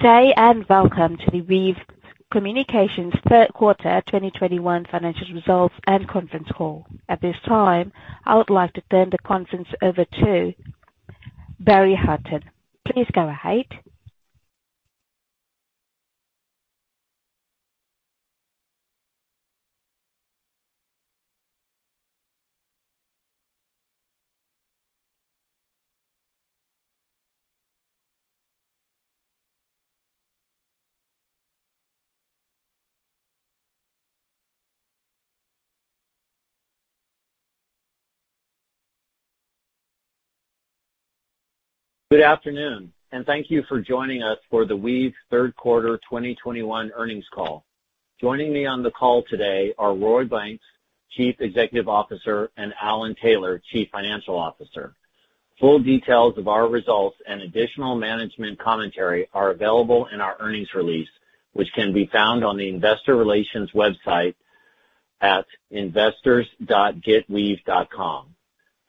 Good day, and welcome to the Weave Communications third quarter 2021 financial results and conference call. At this time, I would like to turn the conference over to Barry Hutton. Please go ahead. Good afternoon, and thank you for joining us for the Weave third quarter 2021 earnings call. Joining me on the call today are Roy Banks, Chief Executive Officer, and Alan Taylor, Chief Financial Officer. Full details of our results and additional management commentary are available in our earnings release, which can be found on the investor relations website at investors.getweave.com.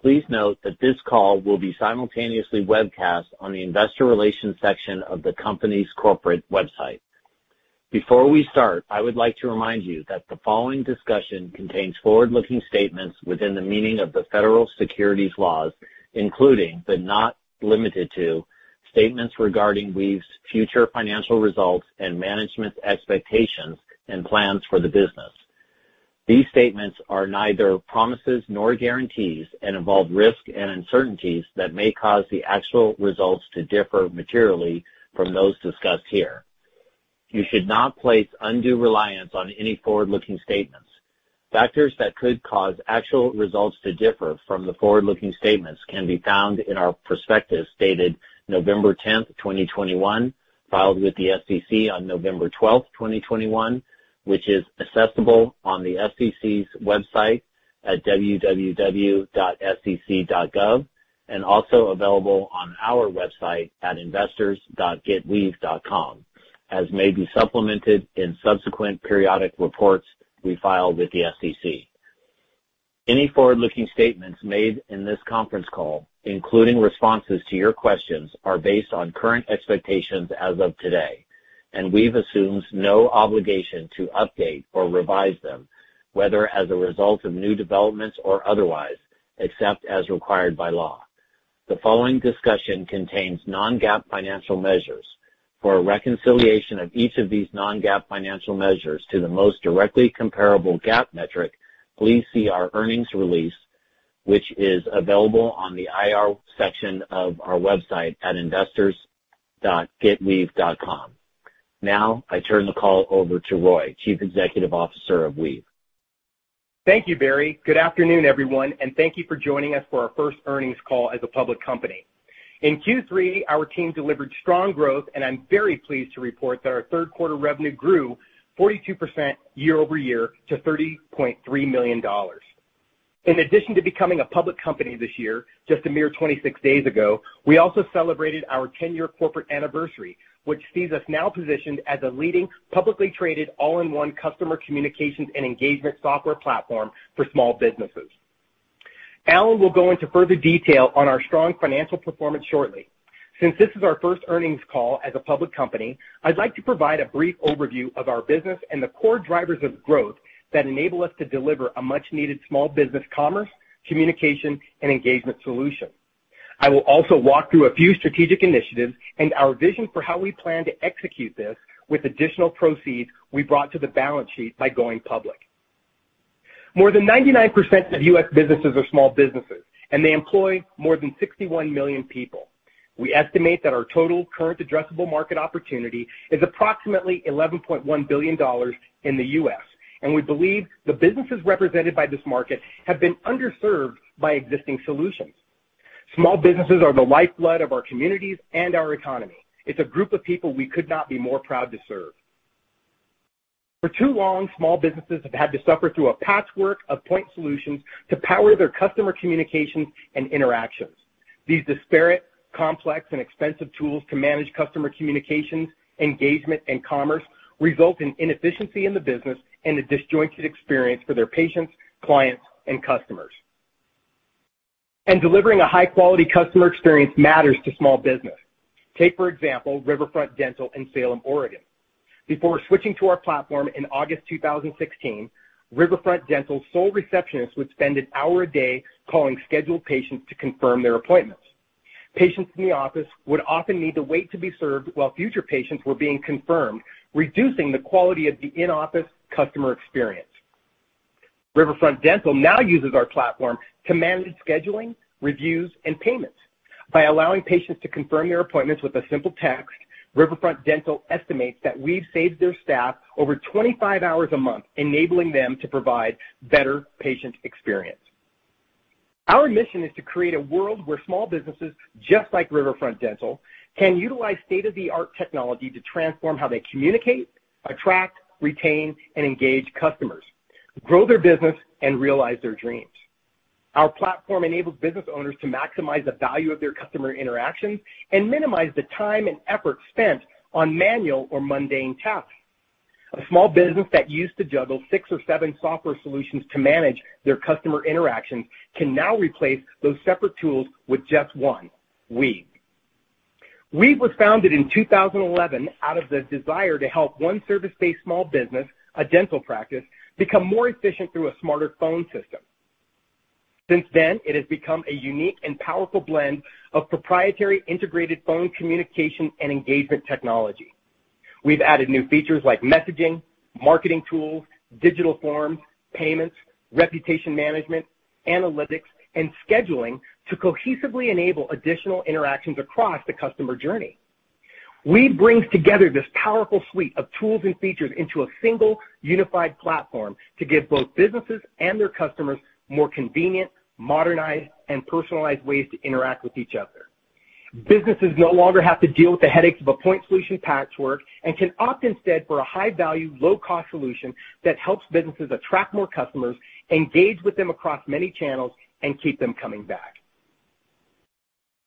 Please note that this call will be simultaneously webcast on the investor relations section of the company's corporate website. Before we start, I would like to remind you that the following discussion contains forward-looking statements within the meaning of the federal securities laws, including, but not limited to, statements regarding Weave's future financial results and management's expectations and plans for the business. These statements are neither promises nor guarantees and involve risk and uncertainties that may cause the actual results to differ materially from those discussed here. You should not place undue reliance on any forward-looking statements. Factors that could cause actual results to differ from the forward-looking statements can be found in our prospectus dated November 10, 2021, filed with the SEC on November 12, 2021, which is accessible on the SEC's website at www.sec.gov and also available on our website at investors.getweave.com, as may be supplemented in subsequent periodic reports we file with the SEC. Any forward-looking statements made in this conference call, including responses to your questions, are based on current expectations as of today, and Weave assumes no obligation to update or revise them, whether as a result of new developments or otherwise, except as required by law. The following discussion contains non-GAAP financial measures. For a reconciliation of each of these non-GAAP financial measures to the most directly comparable GAAP metric, please see our earnings release, which is available on the IR section of our website at investors.getweave.com. Now I turn the call over to Roy, Chief Executive Officer of Weave. Thank you, Barry. Good afternoon, everyone, and thank you for joining us for our first earnings call as a public company. In Q3, our team delivered strong growth, and I'm very pleased to report that our third quarter revenue grew 42% YoY to $30.3 million. In addition to becoming a public company this year, just a mere 26 days ago, we also celebrated our 10-year corporate anniversary, which sees us now positioned as a leading publicly traded all-in-one customer communications and engagement software platform for small businesses. Alan will go into further detail on our strong financial performance shortly. Since this is our first earnings call as a public company, I'd like to provide a brief overview of our business and the core drivers of growth that enable us to deliver a much-needed small business commerce, communication, and engagement solution. I will also walk through a few strategic initiatives and our vision for how we plan to execute this with additional proceeds we brought to the balance sheet by going public. More than 99% of U.S. businesses are small businesses, and they employ more than 61 million people. We estimate that our total current addressable market opportunity is approximately $11.1 billion in the U.S., and we believe the businesses represented by this market have been underserved by existing solutions. Small businesses are the lifeblood of our communities and our economy. It's a group of people we could not be more proud to serve. For too long, small businesses have had to suffer through a patchwork of point solutions to power their customer communications and interactions. These disparate, complex, and expensive tools to manage customer communications, engagement, and commerce result in inefficiency in the business and a disjointed experience for their patients, clients, and customers. Delivering a high-quality customer experience matters to small business. Take, for example, Riverfront Dental in Salem, Oregon. Before switching to our platform in August 2016, Riverfront Dental's sole receptionist would spend an hour a day calling scheduled patients to confirm their appointments. Patients in the office would often need to wait to be served while future patients were being confirmed, reducing the quality of the in-office customer experience. Riverfront Dental now uses our platform to manage scheduling, reviews, and payments. By allowing patients to confirm their appointments with a simple text, Riverfront Dental estimates that we've saved their staff over 25 hours a month, enabling them to provide better patient experience. Our mission is to create a world where small businesses, just like Riverfront Dental, can utilize state-of-the-art technology to transform how they communicate, attract, retain, and engage customers, grow their business, and realize their dreams. Our platform enables business owners to maximize the value of their customer interactions and minimize the time and effort spent on manual or mundane tasks. A small business that used to juggle six or seven software solutions to manage their customer interactions can now replace those separate tools with just one, Weave. Weave was founded in 2011 out of the desire to help one service-based small business, a dental practice, become more efficient through a smarter phone system. Since then, it has become a unique and powerful blend of proprietary integrated phone communication and engagement technology. We've added new features like messaging, marketing tools, digital forms, payments, reputation management, analytics, and scheduling to cohesively enable additional interactions across the customer journey. Weave brings together this powerful suite of tools and features into a single unified platform to give both businesses and their customers more convenient, modernized, and personalized ways to interact with each other. Businesses no longer have to deal with the headaches of a point solution patchwork and can opt instead for a high-value, low-cost solution that helps businesses attract more customers, engage with them across many channels, and keep them coming back.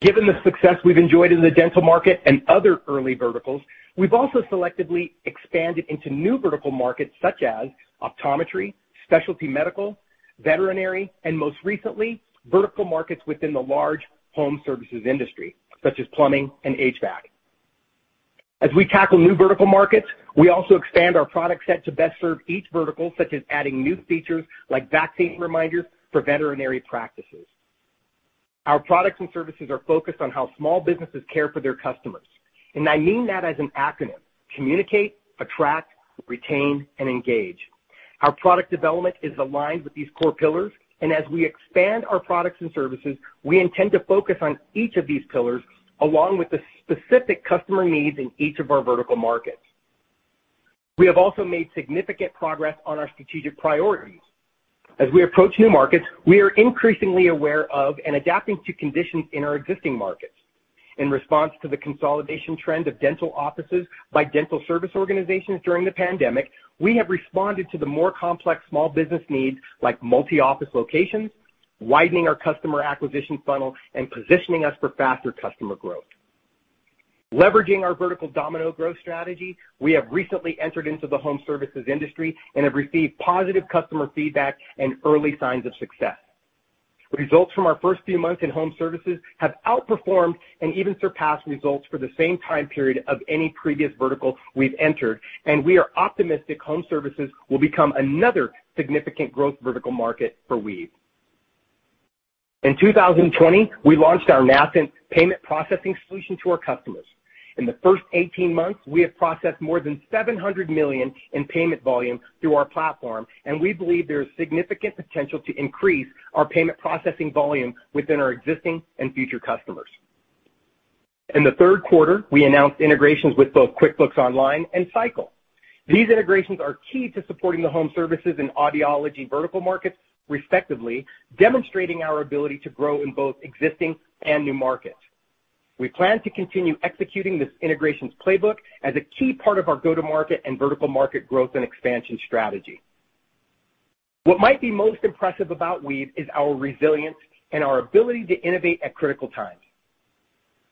Given the success we've enjoyed in the dental market and other early verticals, we've also selectively expanded into new vertical markets such as optometry, specialty medical, veterinary, and most recently, vertical markets within the large home services industry, such as plumbing and HVAC. As we tackle new vertical markets, we also expand our product set to best serve each vertical, such as adding new features like vaccine reminders for veterinary practices. Our products and services are focused on how small businesses care for their customers, and I mean that as an acronym, communicate, attract, retain, and engage. Our product development is aligned with these core pillars, and as we expand our products and services, we intend to focus on each of these pillars along with the specific customer needs in each of our vertical markets. We have also made significant progress on our strategic priorities. As we approach new markets, we are increasingly aware of and adapting to conditions in our existing markets. In response to the consolidation trend of dental offices by dental service organizations during the pandemic, we have responded to the more complex small business needs like multi-office locations, widening our customer acquisition funnel, and positioning us for faster customer growth. Leveraging our vertical domino growth strategy, we have recently entered into the home services industry and have received positive customer feedback and early signs of success. Results from our first few months in-home services have outperformed and even surpassed results for the same time period of any previous vertical we've entered, and we are optimistic home services will become another significant growth vertical market for Weave. In 2020, we launched our Weave Payments payment processing solution to our customers. In the first 18 months, we have processed more than $700 million in payment volume through our platform, and we believe there is significant potential to increase our payment processing volume within our existing and future customers. In the third quarter, we announced integrations with both QuickBooks Online and Sycle. These integrations are key to supporting the home services and audiology vertical markets, respectively, demonstrating our ability to grow in both existing and new markets. We plan to continue executing this integrations playbook as a key part of our go-to-market and vertical market growth and expansion strategy. What might be most impressive about Weave is our resilience and our ability to innovate at critical times.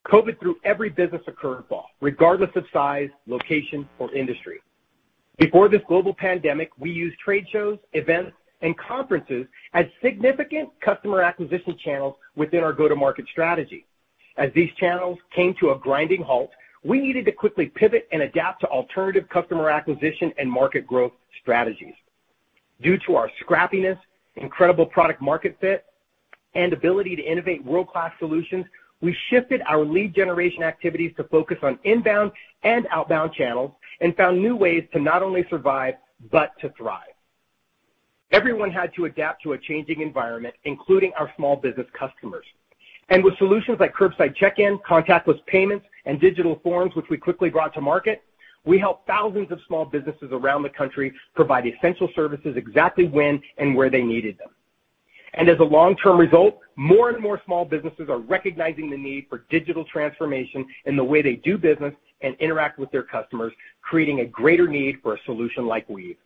COVID threw every business a curveball, regardless of size, location, or industry. Before this global pandemic, we used trade shows, events, and conferences as significant customer acquisition channels within our go-to-market strategy. As these channels came to a grinding halt, we needed to quickly pivot and adapt to alternative customer acquisition and market growth strategies. Due to our scrappiness, incredible product market fit, and ability to innovate world-class solutions, we shifted our lead generation activities to focus on inbound and outbound channels and found new ways to not only survive but to thrive. Everyone had to adapt to a changing environment, including our small business customers. With solutions like curbside check-in, contactless payments, and digital forms, which we quickly brought to market, we helped thousands of small businesses around the country provide essential services exactly when and where they needed them. As a long-term result, more and more small businesses are recognizing the need for digital transformation in the way they do business and interact with their customers, creating a greater need for a solution like Weave.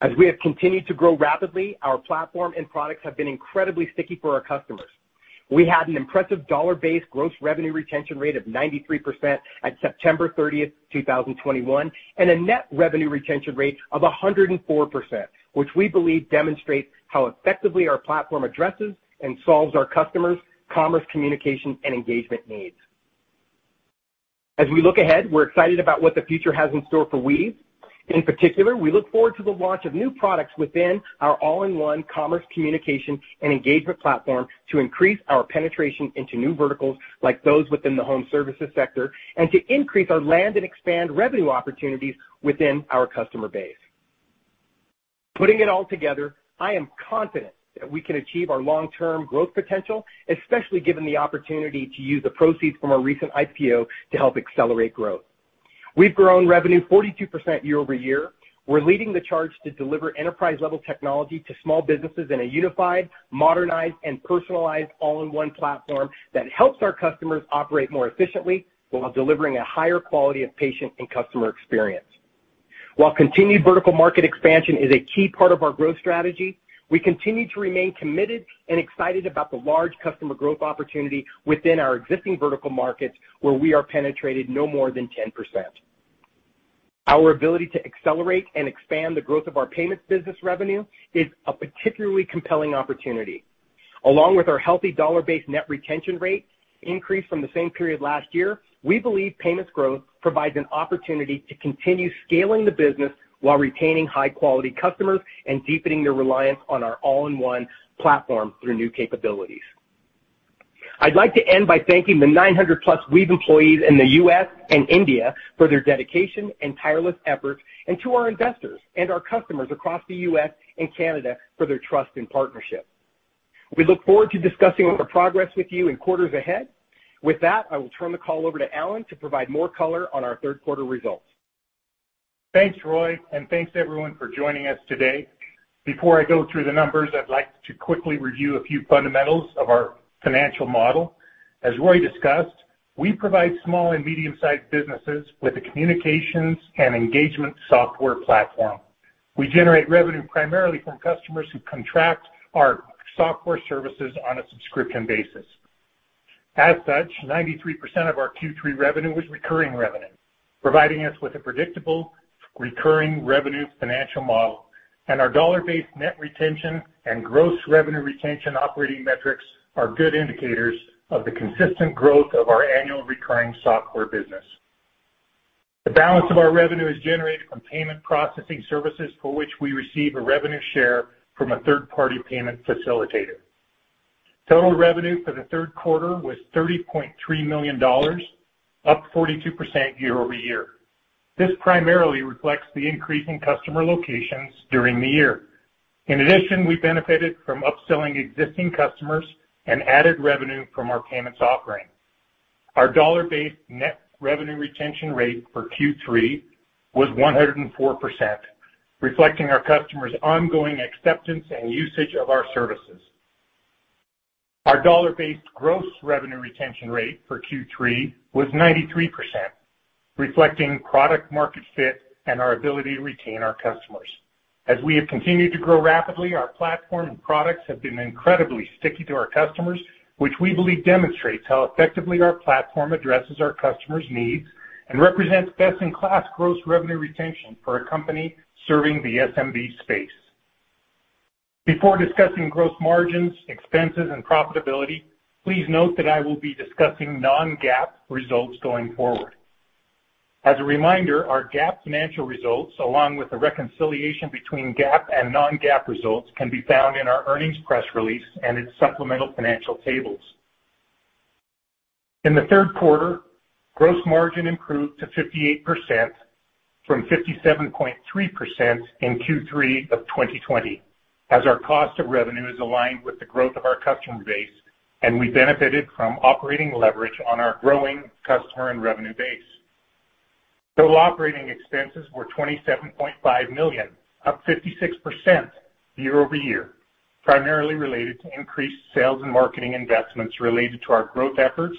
As we have continued to grow rapidly, our platform and products have been incredibly sticky for our customers. We had an impressive dollar-based gross revenue retention rate of 93% at September 30th, 2021, and a net revenue retention rate of 104%, which we believe demonstrates how effectively our platform addresses and solves our customers' commerce, communication, and engagement needs. As we look ahead, we're excited about what the future has in store for Weave. In particular, we look forward to the launch of new products within our all-in-one commerce, communication, and engagement platform to increase our penetration into new verticals like those within the home services sector and to increase our land and expand revenue opportunities within our customer base. Putting it all together, I am confident that we can achieve our long-term growth potential, especially given the opportunity to use the proceeds from our recent IPO to help accelerate growth. We've grown revenue 42% YoY. We're leading the charge to deliver enterprise-level technology to small businesses in a unified, modernized, and personalized all-in-one platform that helps our customers operate more efficiently while delivering a higher quality of patient and customer experience. While continued vertical market expansion is a key part of our growth strategy, we continue to remain committed and excited about the large customer growth opportunity within our existing vertical markets where we are penetrated no more than 10%. Our ability to accelerate and expand the growth of our payments business revenue is a particularly compelling opportunity. Along with our healthy dollar-based net retention rate increase from the same period last year, we believe payments growth provides an opportunity to continue scaling the business while retaining high-quality customers and deepening their reliance on our all-in-one platform through new capabilities. I'd like to end by thanking the 900+ Weave employees in the U.S. and India for their dedication and tireless efforts, and to our investors and our customers across the U.S. and Canada for their trust and partnership. We look forward to discussing our progress with you in quarters ahead. With that, I will turn the call over to Alan to provide more color on our third quarter results. Thanks, Roy, and thanks everyone for joining us today. Before I go through the numbers, I'd like to quickly review a few fundamentals of our financial model. As Roy discussed, we provide small and medium-sized businesses with a communications and engagement software platform. We generate revenue primarily from customers who contract our software services on a subscription basis. As such, 93% of our Q3 revenue was recurring revenue, providing us with a predictable recurring revenue financial model. Our dollar-based net retention and gross revenue retention operating metrics are good indicators of the consistent growth of our annual recurring software business. The balance of our revenue is generated from payment processing services, for which we receive a revenue share from a third-party payment facilitator. Total revenue for the third quarter was $30.3 million, up 42% YoY. This primarily reflects the increase in customer locations during the year. In addition, we benefited from upselling existing customers and added revenue from our payments offering. Our dollar-based net revenue retention rate for Q3 was 104%, reflecting our customers' ongoing acceptance and usage of our services. Our dollar-based gross revenue retention rate for Q3 was 93%, reflecting product market fit and our ability to retain our customers. As we have continued to grow rapidly, our platform and products have been incredibly sticky to our customers, which we believe demonstrates how effectively our platform addresses our customers' needs and represents best-in-class gross revenue retention for a company serving the SMB space. Before discussing gross margins, expenses, and profitability, please note that I will be discussing non-GAAP results going forward. As a reminder, our GAAP financial results, along with the reconciliation between GAAP and non-GAAP results, can be found in our earnings press release and its supplemental financial tables. In the third quarter, gross margin improved to 58% from 57.3% in Q3 of 2020, as our cost of revenue is aligned with the growth of our customer base, and we benefited from operating leverage on our growing customer and revenue base. Total operating expenses were $27.5 million, up 56% YoY, primarily related to increased sales and marketing investments related to our growth efforts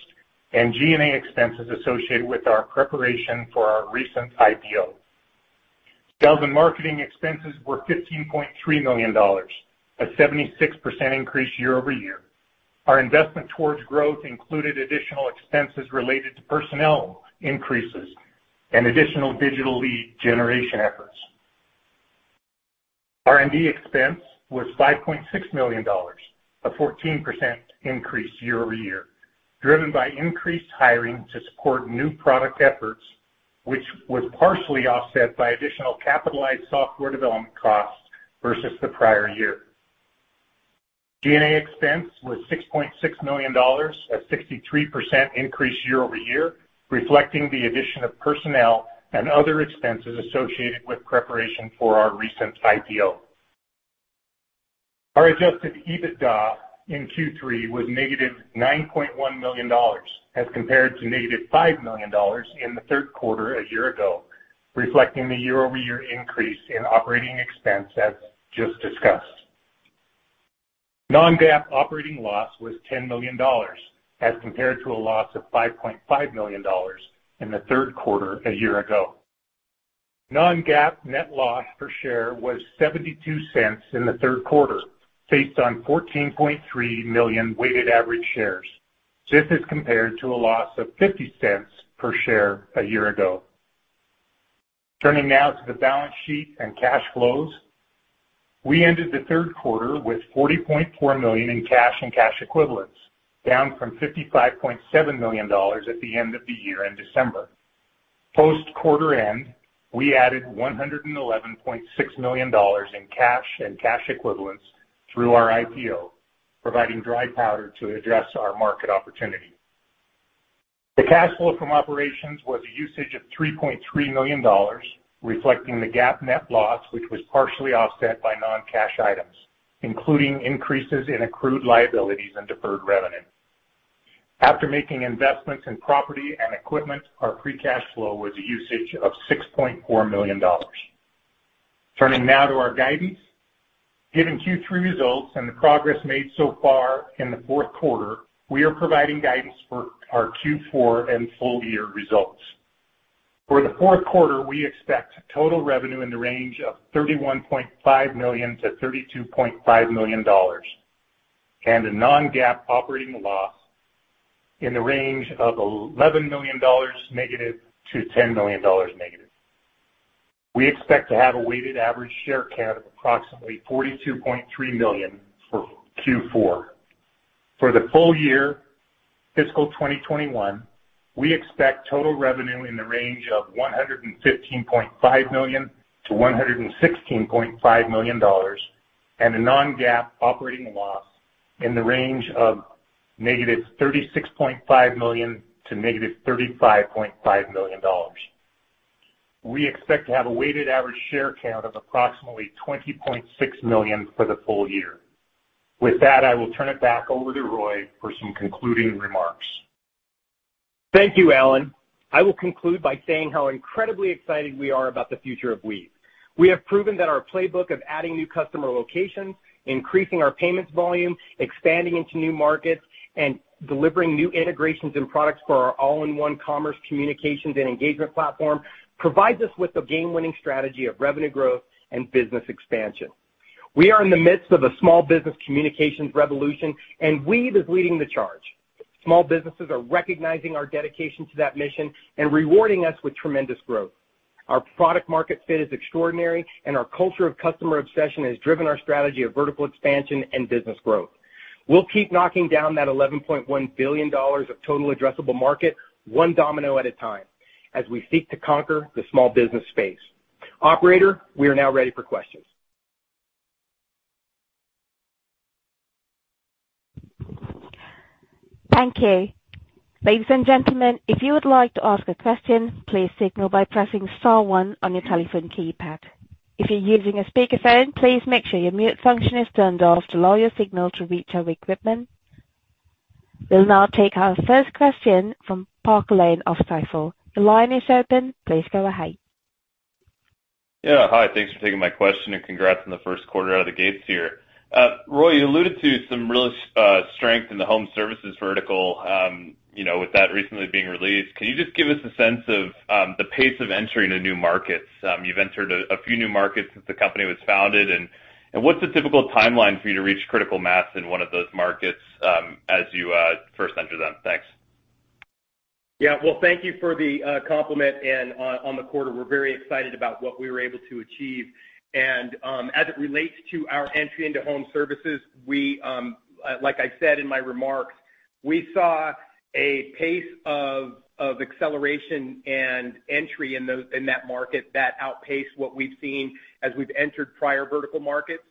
and G&A expenses associated with our preparation for our recent IPO. Sales and marketing expenses were $15.3 million, a 76% increase YoY. Our investment towards growth included additional expenses related to personnel increases and additional digital lead generation efforts. R&D expense was $5.6 million, a 14% increase YoY, driven by increased hiring to support new product efforts, which was partially offset by additional capitalized software development costs versus the prior year. G&A expense was $6.6 million, a 63% increase YoY, reflecting the addition of personnel and other expenses associated with preparation for our recent IPO. Our adjusted EBITDA in Q3 was negative $9.1 million as compared to negative $5 million in the third quarter a year ago, reflecting the YoY increase in operating expense as just discussed. non-GAAP operating loss was $10 million as compared to a loss of $5.5 million in the third quarter a year ago. non-GAAP net loss per share was $0.72 in the third quarter, based on 14.3 million weighted average shares. This is compared to a loss of $0.50 per share a year ago. Turning now to the balance sheet and cash flows. We ended the third quarter with $40.4 million in cash and cash equivalents, down from $55.7 million at the end of the year in December. Post quarter end, we added $111.6 million in cash and cash equivalents through our IPO, providing dry powder to address our market opportunity. The cash flow from operations was a usage of $3.3 million, reflecting the GAAP net loss, which was partially offset by non-cash items, including increases in accrued liabilities and deferred revenue. After making investments in property and equipment, our free cash flow was a usage of $6.4 million. Turning now to our guidance. Given Q3 results and the progress made so far in the fourth quarter, we are providing guidance for our Q4 and full year results. For the fourth quarter, we expect total revenue in the range of $31.5 million-$32.5 million, and a non-GAAP operating loss in the range of -$11 million to -$10 million. We expect to have a weighted average share count of approximately 42.3 million for Q4. For the full year fiscal 2021, we expect total revenue in the range of $115.5 million-$116.5 million, and a non-GAAP operating loss in the range of -$36.5 million to -$35.5 million. We expect to have a weighted average share count of approximately 20.6 million for the full year. With that, I will turn it back over to Roy for some concluding remarks. Thank you, Alan. I will conclude by saying how incredibly excited we are about the future of Weave. We have proven that our playbook of adding new customer locations, increasing our payments volume, expanding into new markets, and delivering new integrations and products for our all-in-one commerce, communications and engagement platform provides us with a game-winning strategy of revenue growth and business expansion. We are in the midst of a small business communications revolution, and Weave is leading the charge. Small businesses are recognizing our dedication to that mission and rewarding us with tremendous growth. Our product market fit is extraordinary, and our culture of customer obsession has driven our strategy of vertical expansion and business growth. We'll keep knocking down that $11.1 billion of total addressable market one domino at a time as we seek to conquer the small business space. Operator, we are now ready for questions. Thank you. Ladies and gentlemen, if you would like to ask a question, please signal by pressing star one on your telephone keypad. If you're using a speakerphone, please make sure your mute function is turned off to allow your signal to reach our equipment. We'll now take our first question from Parker Lane of Stifel. The line is open. Please go ahead. Yeah. Hi, thanks for taking my question, and congrats on the first quarter out of the gates here. Roy, you alluded to some real strength in the home services vertical, you know, with that recently being released. Can you just give us a sense of the pace of entering the new markets? You've entered a few new markets since the company was founded. And what's the typical timeline for you to reach critical mass in one of those markets, as you first enter them? Thanks. Yeah. Well, thank you for the compliment and on the quarter. We're very excited about what we were able to achieve. As it relates to our entry into home services, we like I said in my remarks, we saw a pace of acceleration and entry in that market that outpaced what we've seen as we've entered prior vertical markets.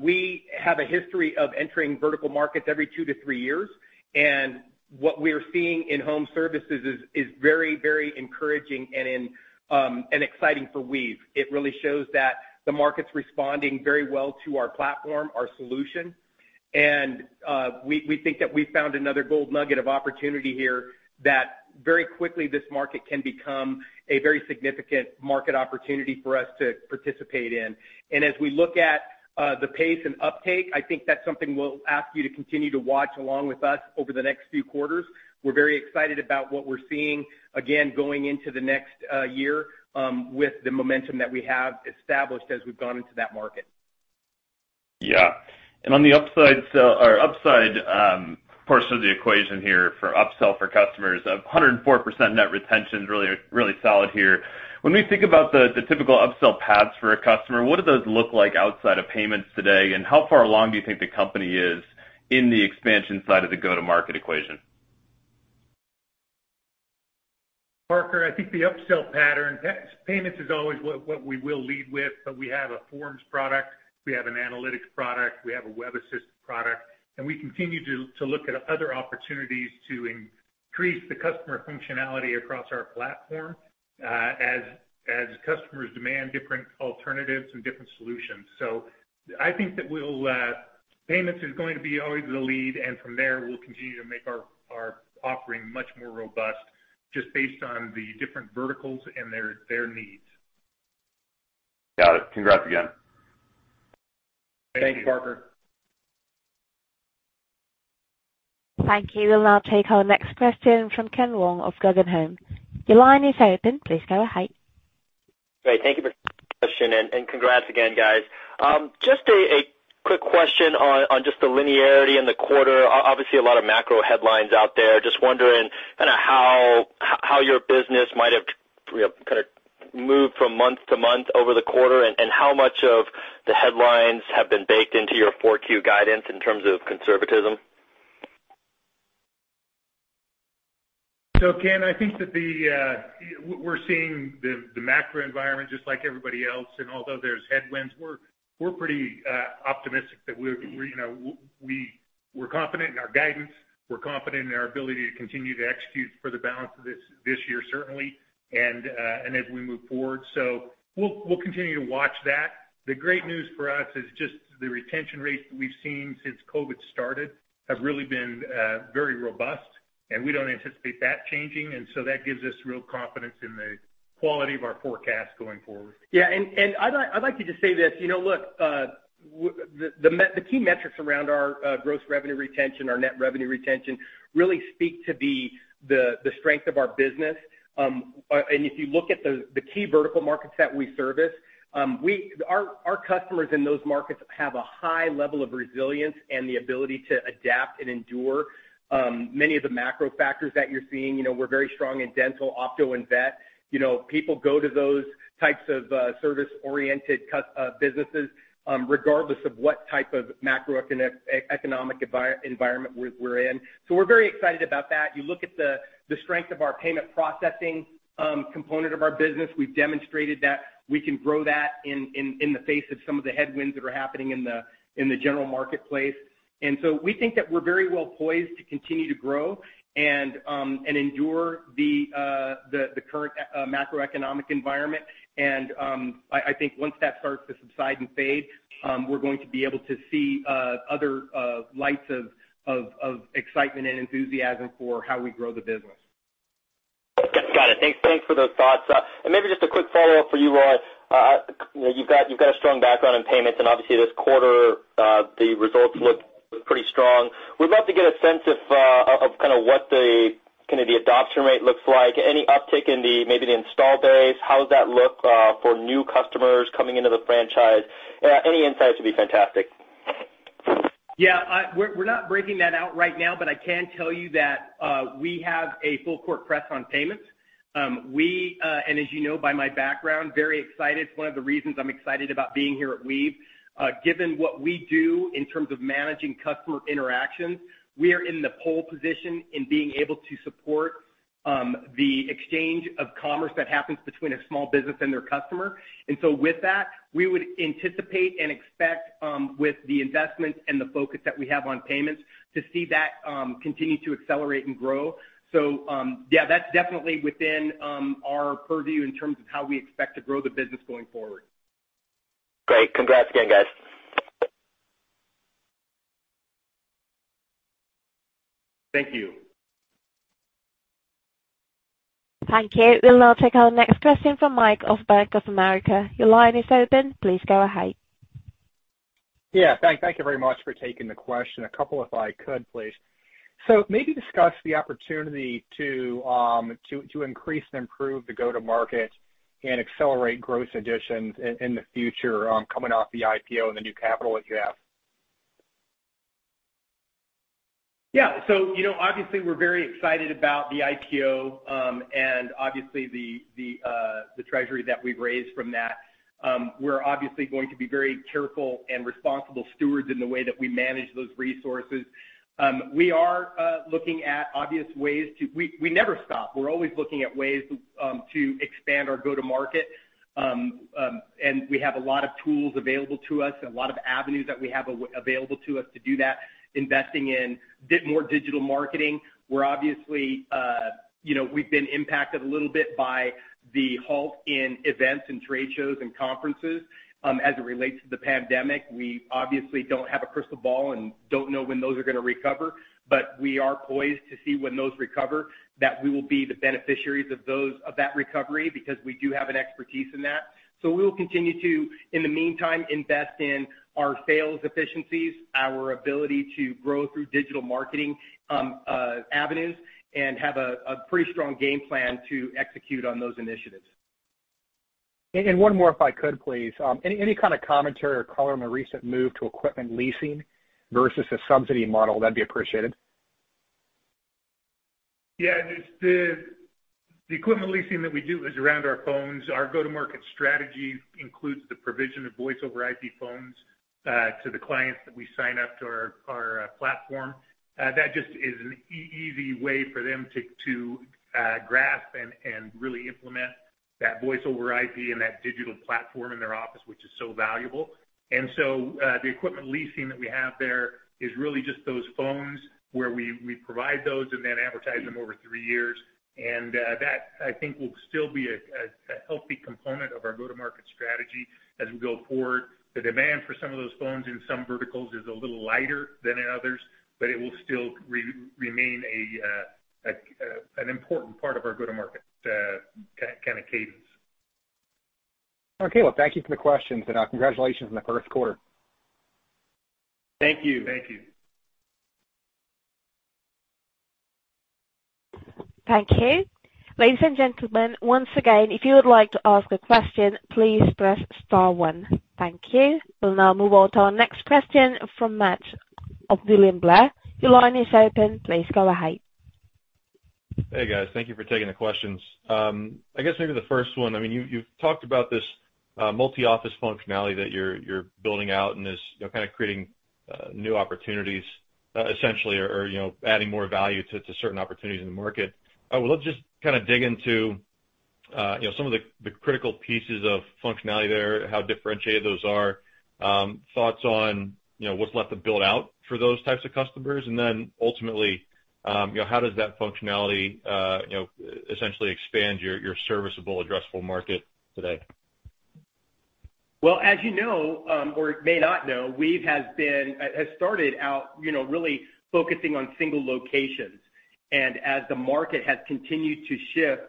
We have a history of entering vertical markets every two-three years, and what we're seeing in home services is very encouraging and exciting for Weave. It really shows that the market's responding very well to our platform, our solution. We think that we found another gold nugget of opportunity here that very quickly this market can become a very significant market opportunity for us to participate in. As we look at the pace and uptake, I think that's something we'll ask you to continue to watch along with us over the next few quarters. We're very excited about what we're seeing, again, going into the next year with the momentum that we have established as we've gone into that market. On the upsell portion of the equation here for upsell for customers of 104% net retention is really, really solid here. When we think about the typical upsell paths for a customer, what do those look like outside of payments today? How far along do you think the company is in the expansion side of the go-to-market equation? Parker, I think the upsell pattern, payments is always what we will lead with, but we have a forms product, we have an analytics product, we have a web assistant product. We continue to look at other opportunities to increase the customer functionality across our platform, as customers demand different alternatives and different solutions. I think that we'll, payments is going to be always the lead, and from there, we'll continue to make our offering much more robust just based on the different verticals and their needs. Got it. Congrats again. Thanks, Parker. Thank you. We'll now take our next question from Ken Wong of Guggenheim. Your line is open. Please go ahead. Great. Thank you for taking my question, and congrats again, guys. Just a quick question on just the linearity in the quarter. Obviously, a lot of macro headlines out there. Just wondering kinda how your business might have you know, kinda moved from month to month over the quarter, and how much of the headlines have been baked into your Q4 guidance in terms of conservatism? Ken, I think that we're seeing the macro environment just like everybody else. Although there's headwinds, we're pretty optimistic that we're you know we're confident in our guidance, we're confident in our ability to continue to execute for the balance of this year, certainly, and as we move forward. We'll continue to watch that. The great news for us is just the retention rates that we've seen since COVID started have really been very robust, and we don't anticipate that changing. That gives us real confidence in the quality of our forecast going forward. I'd like you to say this. You know, look, the key metrics around our gross revenue retention, our net revenue retention really speak to the strength of our business. If you look at the key vertical markets that we service, our customers in those markets have a high level of resilience and the ability to adapt and endure many of the macro factors that you're seeing. You know, we're very strong in dental, opto and vet. You know, people go to those types of service-oriented businesses regardless of what type of macroeconomic environment we're in. We're very excited about that. You look at the strength of our payment processing component of our business. We've demonstrated that we can grow that in the face of some of the headwinds that are happening in the general marketplace. We think that we're very well poised to continue to grow and endure the current macroeconomic environment. I think once that starts to subside and fade, we're going to be able to see other lights of excitement and enthusiasm for how we grow the business. Got it. Thanks for those thoughts. Maybe just a quick follow-up for you, Roy. You know, you've got a strong background in payments, and obviously this quarter, the results look pretty strong. We'd love to get a sense of kind of what the adoption rate looks like. Any uptick in the, maybe the install base? How does that look for new customers coming into the franchise? Any insights would be fantastic. Yeah. We're not breaking that out right now, but I can tell you that we have a full court press on payments. As you know by my background, very excited. It's one of the reasons I'm excited about being here at Weave. Given what we do in terms of managing customer interactions, we are in the pole position in being able to support the exchange of commerce that happens between a small business and their customer. With that, we would anticipate and expect with the investments and the focus that we have on payments to see that continue to accelerate and grow. Yeah, that's definitely within our purview in terms of how we expect to grow the business going forward. Great. Congrats again, guys. Thank you. Thank you. We'll now take our next question from Mike of Bank of America. Your line is open. Please go ahead. Yeah. Thank you very much for taking the question. A couple, if I could, please. Maybe discuss the opportunity to increase and improve the go-to-market and accelerate gross additions in the future, coming off the IPO and the new capital that you have. Yeah. You know, obviously we're very excited about the IPO, and obviously the treasury that we've raised from that. We're obviously going to be very careful and responsible stewards in the way that we manage those resources. We are looking at obvious ways. We never stop. We're always looking at ways to expand our go-to-market. We have a lot of tools available to us, a lot of avenues that we have available to us to do that, investing in bit more digital marketing. We're obviously, you know, we've been impacted a little bit by the halt in events and trade shows and conferences, as it relates to the pandemic. We obviously don't have a crystal ball and don't know when those are gonna recover, but we are poised to see when those recover, that we will be the beneficiaries of those, of that recovery because we do have an expertise in that. We will continue to, in the meantime, invest in our sales efficiencies, our ability to grow through digital marketing, avenues, and have a pretty strong game plan to execute on those initiatives. One more if I could please. Any kind of commentary or color on the recent move to equipment leasing versus a subsidy model, that'd be appreciated? Yeah. The equipment leasing that we do is around our phones. Our go-to-market strategy includes the provision of Voice over IP phones to the clients that we sign up to our platform. That just is an easy way for them to grasp and really implement that Voice over IP and that digital platform in their office, which is so valuable. The equipment leasing that we have there is really just those phones where we provide those and then amortize them over three years. That I think will still be a healthy component of our go-to-market strategy as we go forward. The demand for some of those phones in some verticals is a little lighter than in others, but it will still remain an important part of our go-to-market, kind of cadence. Okay. Well, thank you for the questions, and congratulations on the first quarter. Thank you. Thank you. Thank you. Ladies and gentlemen, once again, if you would like to ask a question, please press star one. Thank you. We'll now move on to our next question from Matt of William Blair. Your line is open. Please go ahead. Hey, guys. Thank you for taking the questions. I guess maybe the first one, I mean, you've talked about this multi-office functionality that you're building out and is, you know, kind of creating new opportunities essentially or, you know, adding more value to certain opportunities in the market. Well, let's just kind of dig into, you know, some of the critical pieces of functionality there, how differentiated those are. Thoughts on, you know, what's left to build out for those types of customers. Then ultimately, you know, how does that functionality, you know, essentially expand your serviceable addressable market today? Well, as you know, or may not know, Weave has started out, you know, really focusing on single locations. As the market has continued to shift,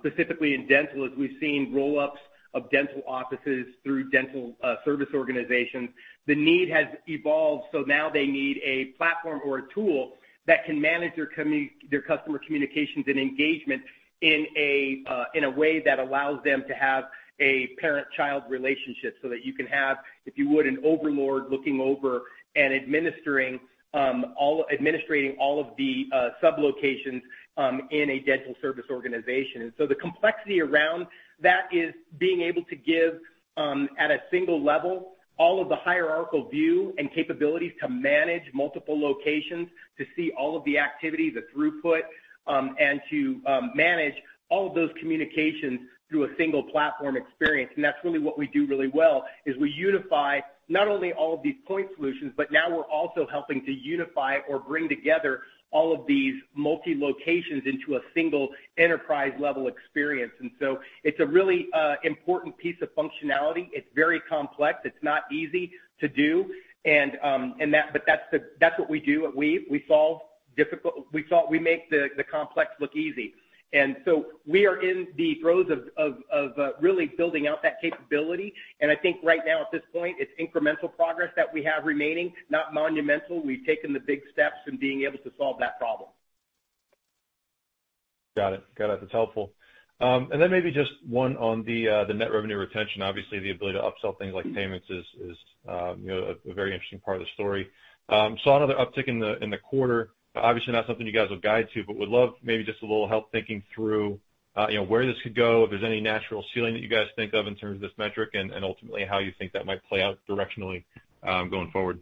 specifically in dental, as we've seen roll-ups of dental offices through dental service organizations, the need has evolved, so now they need a platform or a tool that can manage their customer communications and engagement in a way that allows them to have a parent-child relationship so that you can have, if you would, an overlord looking over and administering all of the sublocations in a dental service organization. The complexity around that is being able to give at a single level all of the hierarchical view and capabilities to manage multiple locations, to see all of the activity, the throughput, and to manage all of those communications through a single platform experience. That's really what we do really well, is we unify not only all of these point solutions, but now we're also helping to unify or bring together all of these multi locations into a single enterprise-level experience. It's a really important piece of functionality. It's very complex. It's not easy to do. That's what we do at Weave. We solve difficult. We make the complex look easy. We are in the throes of really building out that capability. I think right now at this point, it's incremental progress that we have remaining, not monumental. We've taken the big steps in being able to solve that problem. Got it. That's helpful. Maybe just one on the net revenue retention. Obviously, the ability to upsell things like payments is you know a very interesting part of the story. Saw another uptick in the quarter, obviously not something you guys will guide to, but would love maybe just a little help thinking through you know where this could go, if there's any natural ceiling that you guys think of in terms of this metric and ultimately how you think that might play out directionally going forward.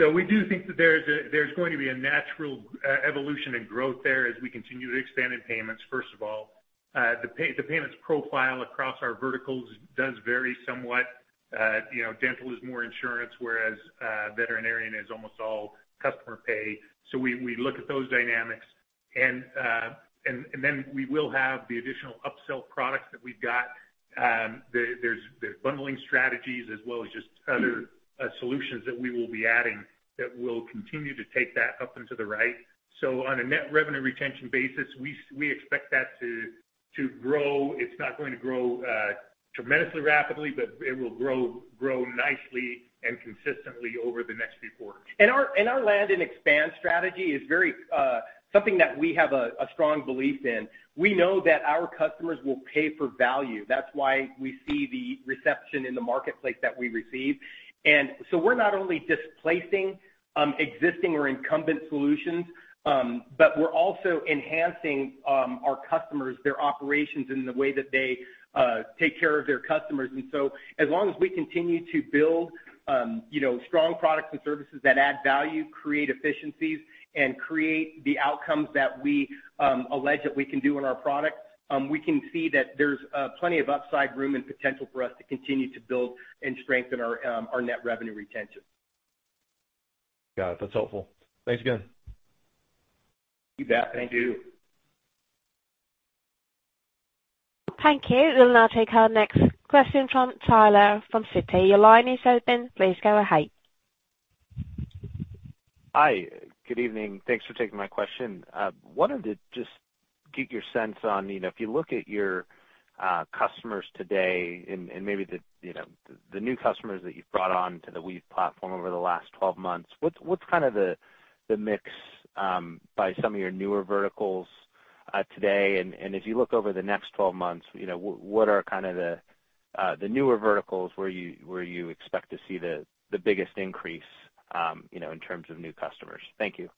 We do think that there's going to be a natural evolution and growth there as we continue to expand in payments, first of all. The payments profile across our verticals does vary somewhat. You know, dental is more insurance, whereas veterinary is almost all customer pay. We look at those dynamics. Then we will have the additional upsell products that we've got. There's bundling strategies as well as just other solutions that we will be adding that will continue to take that up and to the right. On a net revenue retention basis, we expect that to grow. It's not going to grow tremendously rapidly, but it will grow nicely and consistently over the next few quarters. Our land and expand strategy is very something that we have a strong belief in. We know that our customers will pay for value. That's why we see the reception in the marketplace that we receive. We're not only displacing existing or incumbent solutions, but we're also enhancing our customers, their operations in the way that they take care of their customers. As long as we continue to build, you know, strong products and services that add value, create efficiencies, and create the outcomes that we allege that we can do in our product, we can see that there's plenty of upside room and potential for us to continue to build and strengthen our net revenue retention. Got it. That's helpful. Thanks again. You bet. Thank you. Thank you. We'll now take our next question from Tyler from Citi. Your line is open. Please go ahead. Hi. Good evening. Thanks for taking my question. Wanted to just get your sense on, you know, if you look at your customers today and maybe the, you know, the new customers that you've brought on to the Weave platform over the last 12 months, what's kind of the mix by some of your newer verticals today? If you look over the next 12 months, you know, what are kind of the newer verticals where you expect to see the biggest increase, you know, in terms of new customers? Thank you.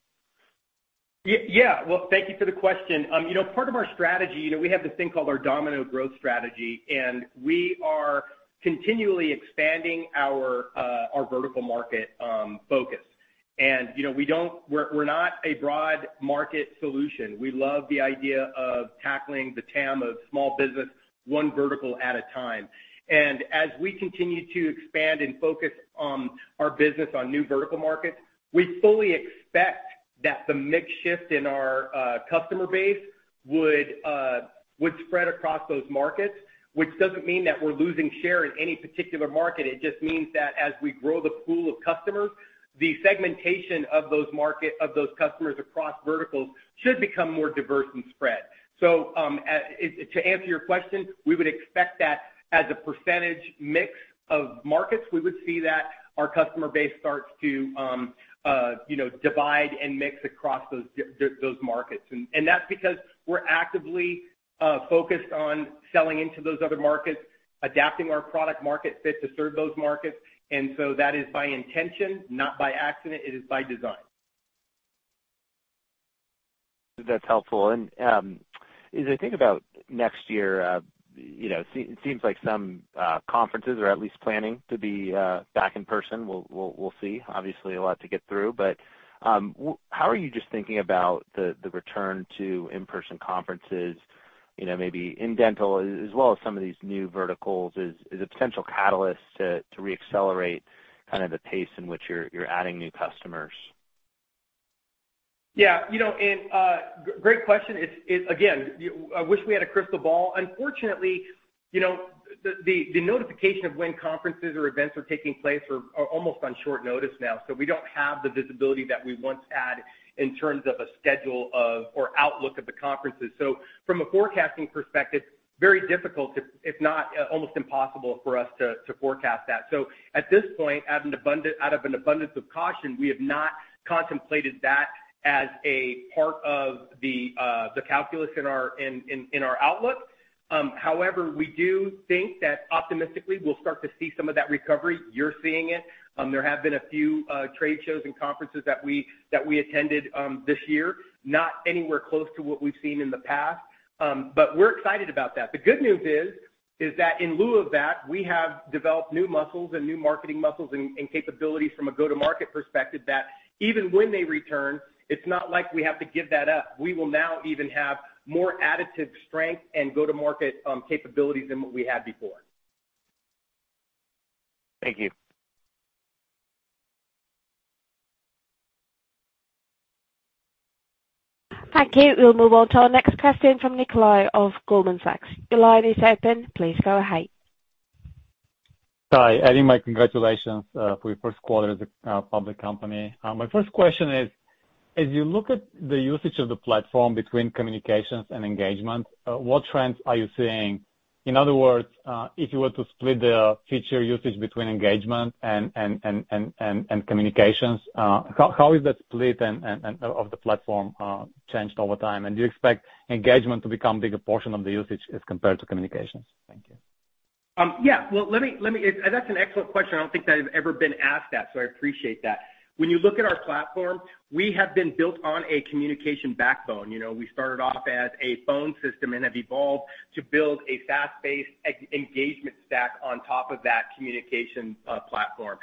Yeah. Well, thank you for the question. You know, part of our strategy, you know, we have this thing called our domino growth strategy, and we are continually expanding our vertical market focus. You know, we're not a broad market solution. We love the idea of tackling the TAM of small business one vertical at a time. As we continue to expand and focus our business on new vertical markets, we fully expect that the mix shift in our customer base would spread across those markets, which doesn't mean that we're losing share in any particular market. It just means that as we grow the pool of customers, the segmentation of those customers across verticals should become more diverse and spread. To answer your question, we would expect that as a percentage mix of markets, we would see that our customer base starts to, you know, divide and mix across those markets. That's because we're actively focused on selling into those other markets, adapting our product market fit to serve those markets. That is by intention, not by accident. It is by design. That's helpful. As I think about next year, you know, seems like some conferences are at least planning to be back in person. We'll see, obviously a lot to get through. How are you just thinking about the return to in-person conferences, you know, maybe in dental as well as some of these new verticals as a potential catalyst to reaccelerate kind of the pace in which you're adding new customers? Yeah. You know, great question. Again, I wish we had a crystal ball. Unfortunately, the notification of when conferences or events are taking place are almost on short notice now, so we don't have the visibility that we once had in terms of a schedule or outlook of the conferences. From a forecasting perspective, very difficult, if not almost impossible for us to forecast that. At this point, out of an abundance of caution, we have not contemplated that as a part of the calculus in our outlook. However, we do think that optimistically, we'll start to see some of that recovery. You're seeing it. There have been a few trade shows and conferences that we attended this year, not anywhere close to what we've seen in the past. We're excited about that. The good news is that in lieu of that, we have developed new muscles and new marketing muscles and capabilities from a go-to-market perspective that even when they return, it's not like we have to give that up. We will now even have more additive strength and go-to-market capabilities than what we had before. Thank you. Thank you. We'll move on to our next question from Nikolai of Goldman Sachs. Your line is open. Please go ahead. Hi. Adding my congratulations for your first quarter as a public company. My first question is, as you look at the usage of the platform between communications and engagement, what trends are you seeing? In other words, if you were to split the feature usage between engagement and communications, how is that split and of the platform changed over time? Do you expect engagement to become bigger portion of the usage as compared to communications? Thank you. Yeah. Well, let me. That's an excellent question. I don't think that I've ever been asked that, so I appreciate that. When you look at our platform, we have been built on a communication backbone. You know, we started off as a phone system and have evolved to build a SaaS-based engagement stack on top of that communication platform.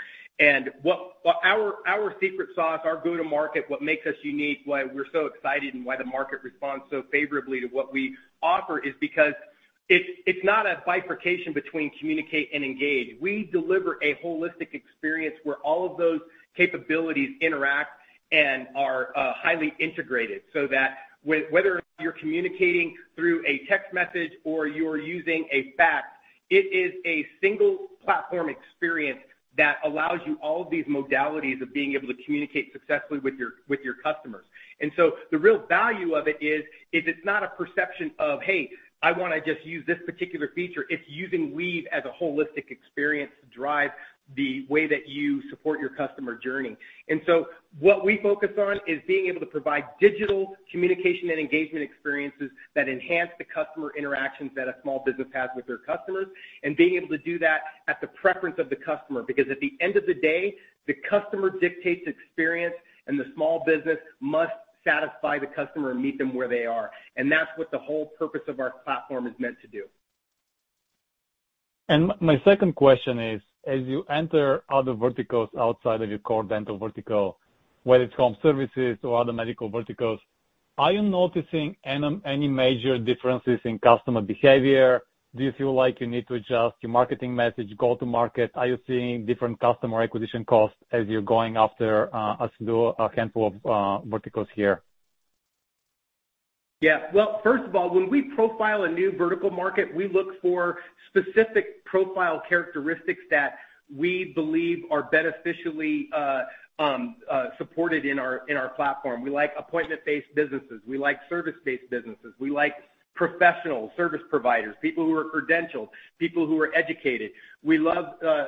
What our secret sauce, our go-to-market, what makes us unique, why we're so excited and why the market responds so favorably to what we offer is because it's not a bifurcation between communicate and engage. We deliver a holistic experience where all of those capabilities interact and are highly integrated, so that whether or not you're communicating through a text message or you're using a fax, it is a single platform experience that allows you all of these modalities of being able to communicate successfully with your customers. The real value of it is it's not a perception of, "Hey, I wanna just use this particular feature." It's using Weave as a holistic experience to drive the way that you support your customer journey. What we focus on is being able to provide digital communication and engagement experiences that enhance the customer interactions that a small business has with their customers, and being able to do that at the preference of the customer. Because at the end of the day, the customer dictates experience, and the small business must satisfy the customer and meet them where they are. That's what the whole purpose of our platform is meant to do. My second question is, as you enter other verticals outside of your core dental vertical, whether it's home services or other medical verticals, are you noticing any major differences in customer behavior? Do you feel like you need to adjust your marketing message go to market? Are you seeing different customer acquisition costs as you're going after, as you do a handful of verticals here? Yeah. Well, first of all, when we profile a new vertical market, we look for specific profile characteristics that we believe are beneficially supported in our platform. We like appointment-based businesses. We like service-based businesses. We like professionals, service providers, people who are credentialed, people who are educated. We love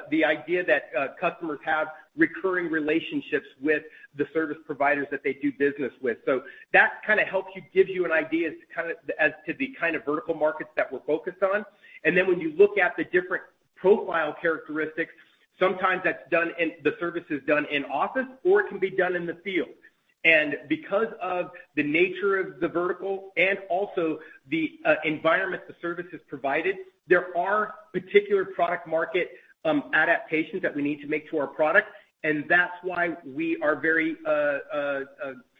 the idea that customers have recurring relationships with the service providers that they do business with. So that kinda helps you, gives you an idea as to the kind of vertical markets that we're focused on. When you look at the different profile characteristics, sometimes the service is done in-office or it can be done in the field. Because of the nature of the vertical and also the environment the service is provided, there are particular product market adaptations that we need to make to our product, and that's why we are very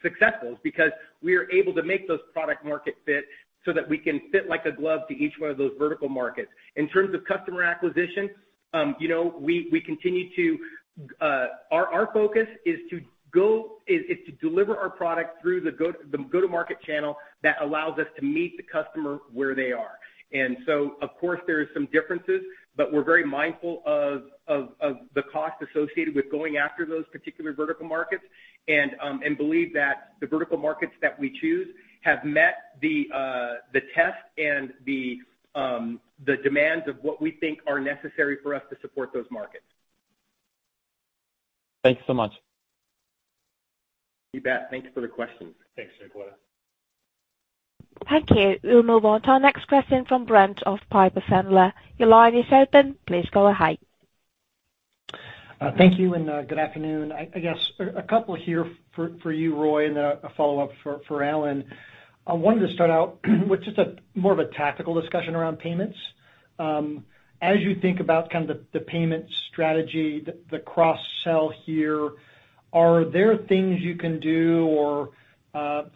successful. It's because we are able to make those product market fit so that we can fit like a glove to each one of those vertical markets. In terms of customer acquisition, you know, our focus is to deliver our product through the go-to-market channel that allows us to meet the customer where they are. Of course, there are some differences, but we're very mindful of the cost associated with going after those particular vertical markets and believe that the vertical markets that we choose have met the test and the demands of what we think are necessary for us to support those markets. Thanks so much. You bet. Thanks for the question. Thanks, Nikolai. Thank you. We'll move on to our next question from Brent of Piper Sandler. Your line is open. Please go ahead. Thank you, and good afternoon. I guess a couple here for you, Roy, and a follow-up for Alan. I wanted to start out with just more of a tactical discussion around payments. As you think about kind of the payment strategy, the cross-sell here, are there things you can do or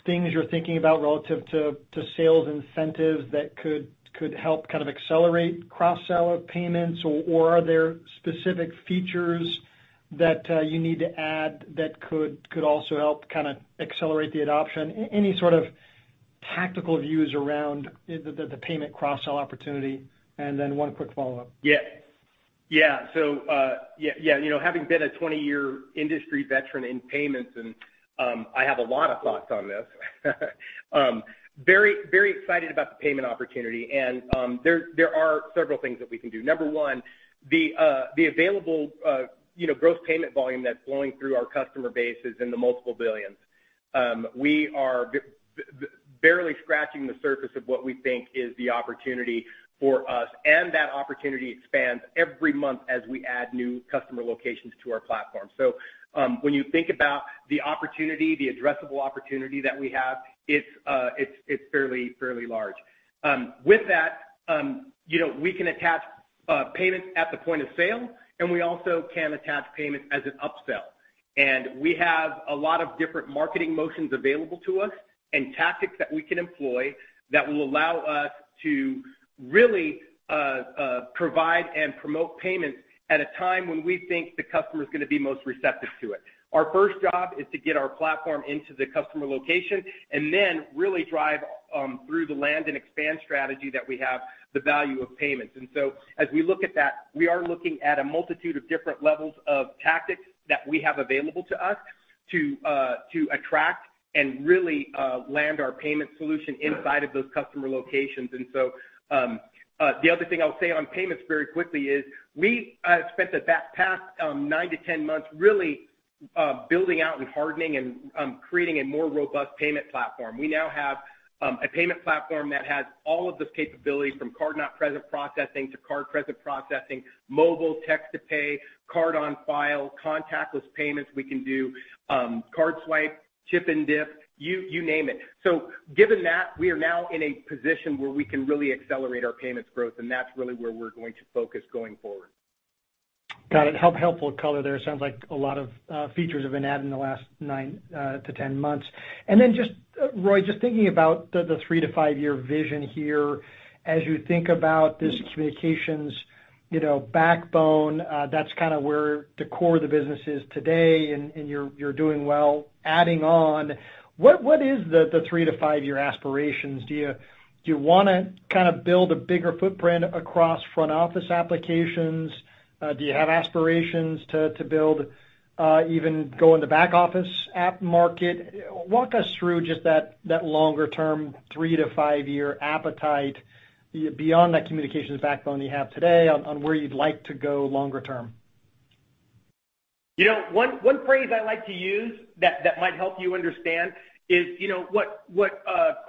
things you're thinking about relative to sales incentives that could help kind of accelerate cross-sell of payments? Or are there specific features that you need to add that could also help kinda accelerate the adoption? Any sort of tactical views around the payment cross-sell opportunity, and then one quick follow-up. You know, having been a 20-year industry veteran in payments, and I have a lot of thoughts on this. Very, very excited about the payment opportunity, and there are several things that we can do. Number one, the available, you know, gross payment volume that's flowing through our customer base is in the multiple billions. We are barely scratching the surface of what we think is the opportunity for us, and that opportunity expands every month as we add new customer locations to our platform. When you think about the opportunity, the addressable opportunity that we have, it's fairly large. With that, you know, we can attach payments at the point of sale, and we also can attach payments as an upsell. We have a lot of different marketing motions available to us and tactics that we can employ that will allow us to really provide and promote payments at a time when we think the customer is gonna be most receptive to it. Our first job is to get our platform into the customer location and then really drive through the land and expand strategy that we have the value of payments. As we look at that, we are looking at a multitude of different levels of tactics that we have available to us to attract and really land our payment solution inside of those customer locations. The other thing I'll say on payments very quickly is we spent the past 9-10 months really building out and hardening and creating a more robust payment platform. We now have a payment platform that has all of the capabilities from card not present processing to card present processing, mobile Text to Pay, Card on File, contactless payments we can do, card swipe, chip and dip, you name it. Given that, we are now in a position where we can really accelerate our payments growth, and that's really where we're going to focus going forward. Got it. Helpful color there. Sounds like a lot of features have been added in the last 9 to 10 months. Just, Roy, just thinking about the three- to five-year vision here. As you think about this communications, you know, backbone that's kinda where the core of the business is today and you're doing well adding on. What is the three- to five-year aspirations? Do you wanna kinda build a bigger footprint across front office applications? Do you have aspirations to build even go in the back office app market? Walk us through just that longer term three- to five-year appetite beyond that communications backbone you have today on where you'd like to go longer term. You know, one phrase I like to use that might help you understand is, you know what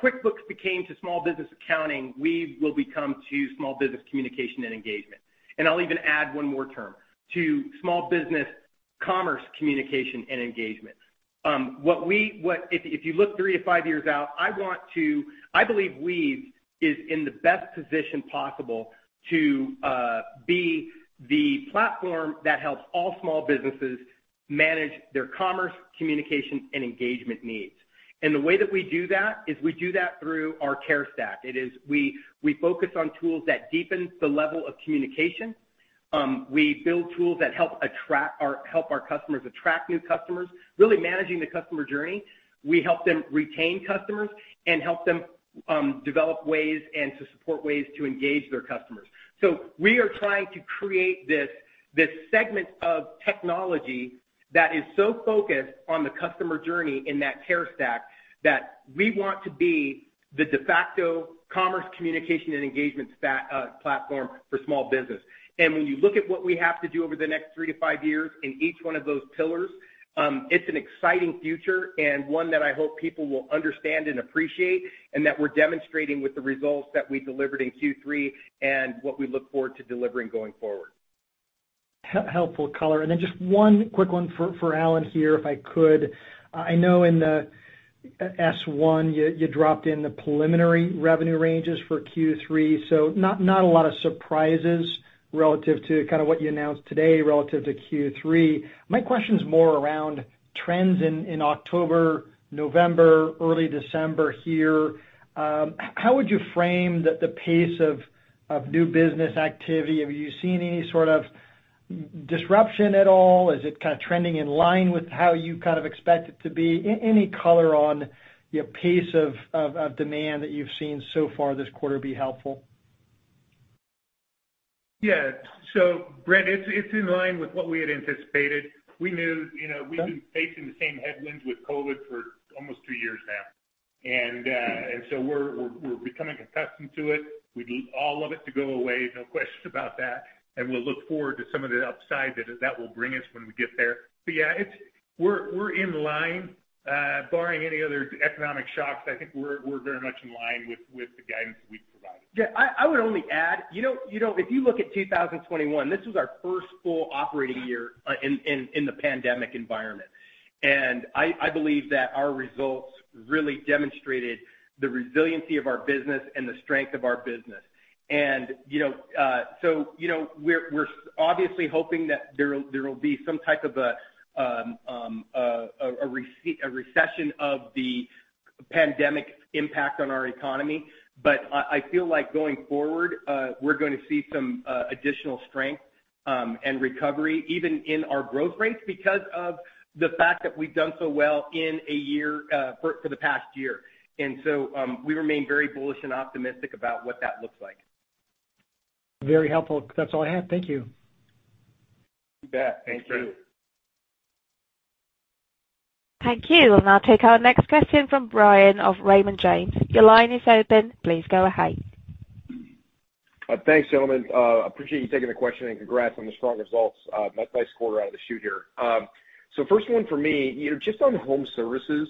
QuickBooks became to small business accounting, Weave will become to small business communication and engagement. I'll even add one more term, to small business commerce, communication and engagement. If you look three-five years out, I believe Weave is in the best position possible to be the platform that helps all small businesses manage their commerce, communication, and engagement needs. The way that we do that is we do that through our CARE stack. It is we focus on tools that deepen the level of communication. We build tools that help our customers attract new customers, really managing the customer journey. We help them retain customers and help them develop ways and to support ways to engage their customers. We are trying to create this segment of technology that is so focused on the customer journey in that care stack, that we want to be the de facto commerce communication and engagement platform for small business. When you look at what we have to do over the next three to five years in each one of those pillars, it's an exciting future and one that I hope people will understand and appreciate, and that we're demonstrating with the results that we delivered in Q3 and what we look forward to delivering going forward. Helpful color. Then just one quick one for Alan here, if I could. I know in the S1 you dropped in the preliminary revenue ranges for Q3, so not a lot of surprises relative to kinda what you announced today relative to Q3. My question is more around trends in October, November, early December here. How would you frame the pace of new business activity? Have you seen any sort of disruption at all? Is it kinda trending in line with how you kind of expect it to be? Any color on your pace of demand that you've seen so far this quarter be helpful. Yeah. Brent, it's in line with what we had anticipated. We knew, you know. Okay... we've been facing the same headwinds with COVID for almost two years now. We're becoming accustomed to it. We'd all love it to go away, no question about that, and we'll look forward to some of the upside that that will bring us when we get there. Yeah, it's. We're in line, barring any other economic shocks. I think we're very much in line with the guidance we've provided. I would only add, you know, if you look at 2021, this was our first full operating year in the pandemic environment. I believe that our results really demonstrated the resiliency of our business and the strength of our business. You know, so, you know, we're obviously hoping that there will be some type of a recession of the pandemic impact on our economy. I feel like going forward, we're gonna see some additional strength and recovery even in our growth rates because of the fact that we've done so well in a year for the past year. We remain very bullish and optimistic about what that looks like. Very helpful. That's all I had. Thank you. You bet. Thank you. Thank you. We'll now take our next question from Brian of Raymond James. Your line is open. Please go ahead. Thanks, gentlemen. Appreciate you taking the question, and congrats on the strong results, nice quarter out of the chute here. First one for me, you know, just on home services,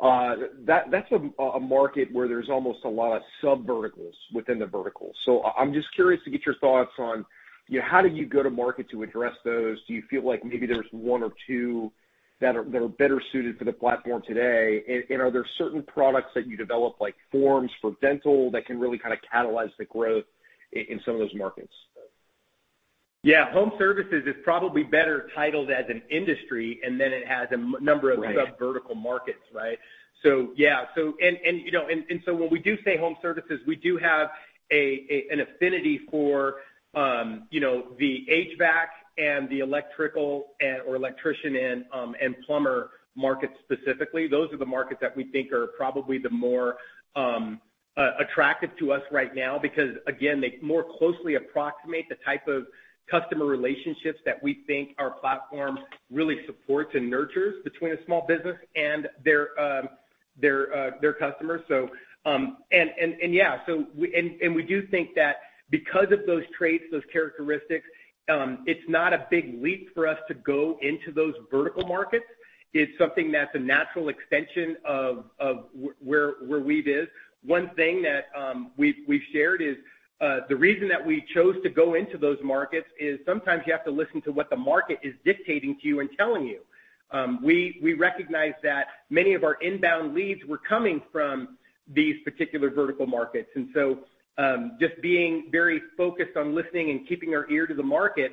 that's a market where there's almost a lot of subverticals within the vertical. I'm just curious to get your thoughts on, you know, how do you go to market to address those? Do you feel like maybe there's one or two that are better suited for the platform today? And are there certain products that you develop, like forms for dental, that can really kind of catalyze the growth in some of those markets? Yeah. Home services is probably better titled as an industry, and then it has a m-number. Right of subvertical markets, right? Yeah. When we do say home services, we do have an affinity for, you know, the HVAC and the electrical or electrician and plumber markets specifically. Those are the markets that we think are probably the more attractive to us right now because, again, they more closely approximate the type of customer relationships that we think our platform really supports and nurtures between a small business and their customers. Yeah. We do think that because of those traits, those characteristics, it's not a big leap for us to go into those vertical markets. It's something that's a natural extension of where Weave is. One thing that we've shared is the reason that we chose to go into those markets is sometimes you have to listen to what the market is dictating to you and telling you. We recognized that many of our inbound leads were coming from these particular vertical markets. Just being very focused on listening and keeping our ear to the market,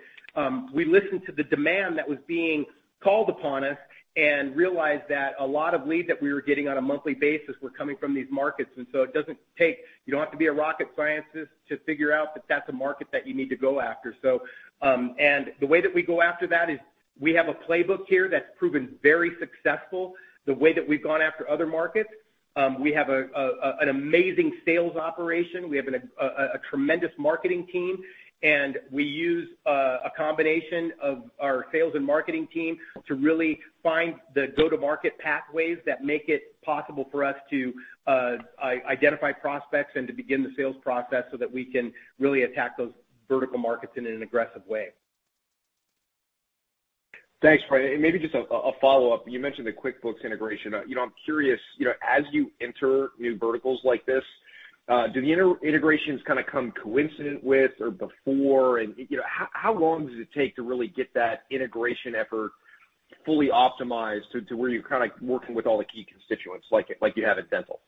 we listened to the demand that was being called upon us and realized that a lot of leads that we were getting on a monthly basis were coming from these markets. It doesn't take. You don't have to be a rocket scientist to figure out that that's a market that you need to go after. The way that we go after that is we have a playbook here that's proven very successful the way that we've gone after other markets. We have an amazing sales operation. We have a tremendous marketing team, and we use a combination of our sales and marketing team to really find the go-to-market pathways that make it possible for us to identify prospects and to begin the sales process so that we can really attack those vertical markets in an aggressive way. Thanks, Roy. Maybe just a follow-up. You mentioned the QuickBooks integration. You know, I'm curious, you know, as you enter new verticals like this, do the integrations kinda come coincident with or before? You know, how long does it take to really get that integration effort fully optimized to where you're kinda working with all the key constituents like you have at Dental?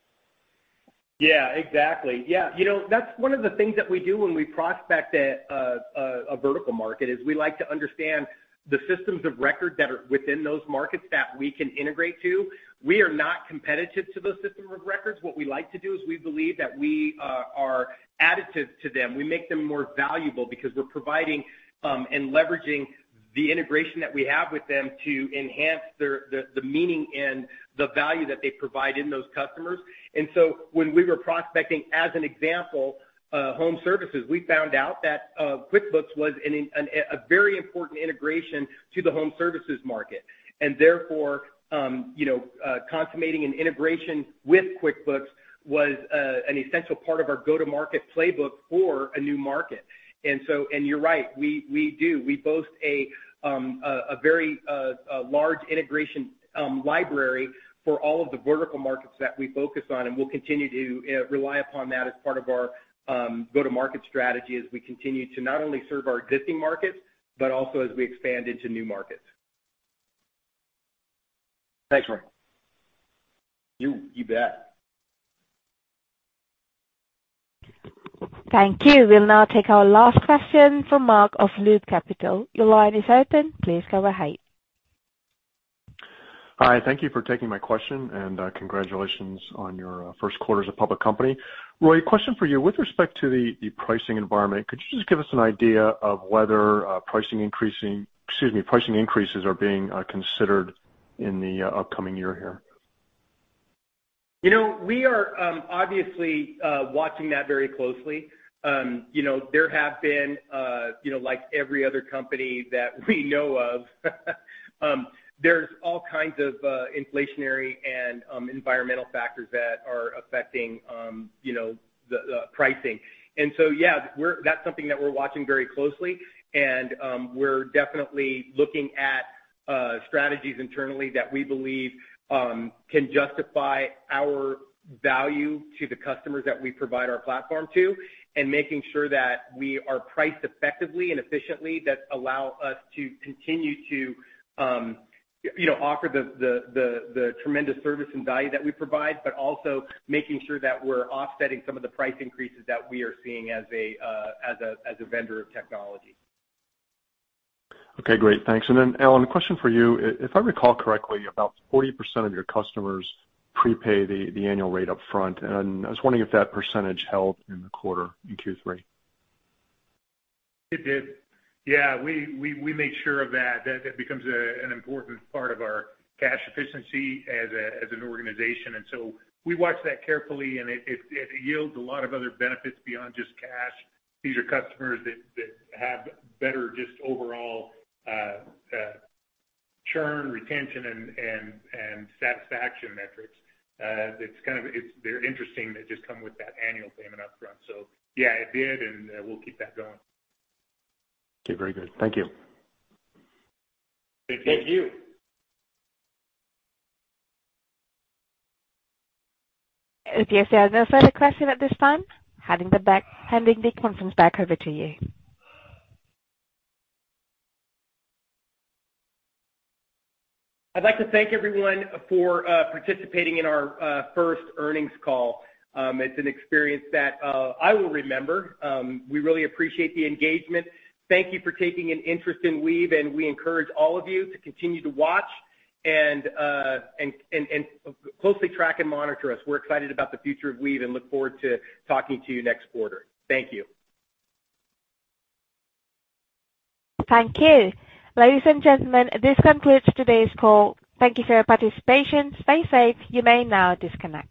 Yeah, exactly. Yeah. You know, that's one of the things that we do when we prospect at a vertical market, is we like to understand the systems of record that are within those markets that we can integrate to. We are not competitive to those system of records. What we like to do is we believe that we are additive to them. We make them more valuable because we're providing and leveraging the integration that we have with them to enhance their meaning and the value that they provide in those customers. When we were prospecting, as an example, home services, we found out that QuickBooks was a very important integration to the home services market. Therefore, you know, consummating an integration with QuickBooks was an essential part of our go-to-market playbook for a new market. You're right, we do. We boast a very large integration library for all of the vertical markets that we focus on, and we'll continue to rely upon that as part of our go-to-market strategy as we continue to not only serve our existing markets, but also as we expand into new markets. Thanks, Roy. You bet. Thank you. We'll now take our last question from Mark of Loop Capital. Your line is open. Please go ahead. Hi. Thank you for taking my question, and, congratulations on your first quarter as a public company. Roy, a question for you. With respect to the pricing environment, could you just give us an idea of whether pricing increases are being considered in the upcoming year here? You know, we are obviously watching that very closely. You know, there have been, you know, like every other company that we know of, there's all kinds of inflationary and environmental factors that are affecting, you know, the pricing. Yeah, that's something that we're watching very closely, and we're definitely looking at strategies internally that we believe can justify our value to the customers that we provide our platform to, and making sure that we are priced effectively and efficiently that allow us to continue to, you know, offer the tremendous service and value that we provide, but also making sure that we're offsetting some of the price increases that we are seeing as a vendor of technology. Okay. Great. Thanks. Alan, a question for you. If I recall correctly, about 40% of your customers prepay the annual rate up front, and I was wondering if that percentage held in the quarter in Q3. It did. Yeah. We made sure of that. That becomes an important part of our cash efficiency as an organization. We watch that carefully, and it yields a lot of other benefits beyond just cash. These are customers that have better just overall churn, retention and satisfaction metrics. It's very interesting. They just come with that annual payment up front. Yeah, it did, and we'll keep that going. Okay. Very good. Thank you. Thank you. Thank you. If you have no further questions at this time, handing the conference back over to you. I'd like to thank everyone for participating in our first earnings call. It's an experience that I will remember. We really appreciate the engagement. Thank you for taking an interest in Weave, and we encourage all of you to continue to watch and closely track and monitor us. We're excited about the future of Weave and look forward to talking to you next quarter. Thank you. Thank you. Ladies and gentlemen, this concludes today's call. Thank you for your participation. Stay safe. You may now disconnect.